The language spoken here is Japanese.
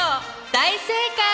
大正解！